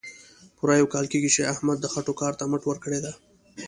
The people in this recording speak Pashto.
پوره یو کال کېږي، چې احمد د خټو کار ته مټ ورکړې ده.